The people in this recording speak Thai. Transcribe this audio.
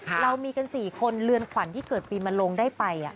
เรามีกัน๔คนเรือนขวัญที่เกิดปีมาลงได้ไป